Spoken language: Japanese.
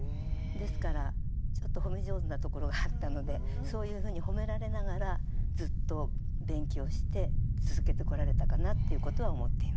ですからちょっと褒め上手なところがあったのでそういうふうに褒められながらずっと勉強して続けてこられたかなっていうことは思っています。